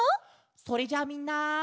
それじゃあみんな。